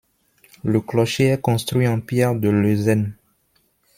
Le clocher est construit en pierre de Lezennes.